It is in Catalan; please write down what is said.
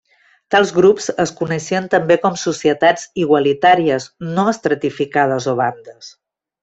Tals grups es coneixen també com societats igualitàries, no estratificades o bandes.